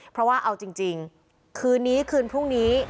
เพราะว่าเอาจริงคืนนี้คืนพรุ่งนี้